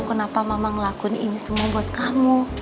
kenapa mama ngelakuin ini semua buat kamu